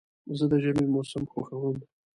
زه د ژمي موسم خوښوم.